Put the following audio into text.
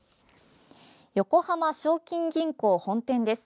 横浜正金銀行本店です。